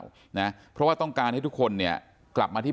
พูดกันเล่นหรือเปล่านะเพราะว่าต้องการให้ทุกคนเนี่ยกลับมาที่